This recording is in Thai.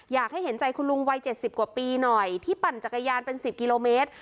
อยากให้เห็นใจคุณลุงวัย๗๐กว่าปีหน่อยที่ปั่นจักรยานเป็น๑๐กิโลเมตร